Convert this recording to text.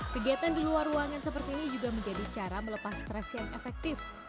kegiatan di luar ruangan seperti ini juga menjadi cara melepas stres yang efektif